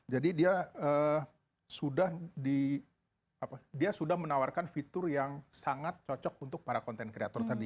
jadi dia sudah menawarkan fitur yang sangat cocok untuk para content creator tadi